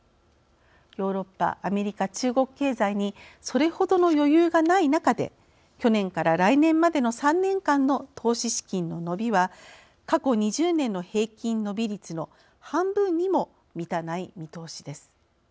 ヨーロッパ、アメリカ中国経済にそれほどの余裕がない中で去年から来年までの３年間の投資資金の伸びは過去２０年の平均伸び率の半分にも満たない見通しです。